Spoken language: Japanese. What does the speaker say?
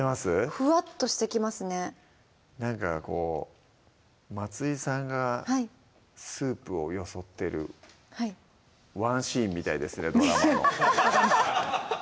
ふわっとしてきますねなんかこう松井さんがスープをよそってるワンシーンみたいですね